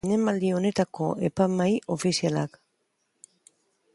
Zinemaldi honetako epaimahai ofizialak.